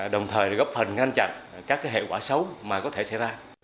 đồng thời góp phần ngăn chặn các hệ quả xấu mà có thể xảy ra